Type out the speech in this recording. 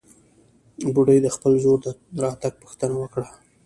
بوډۍ د خپل زوى د راتګ پوښتنه وکړه.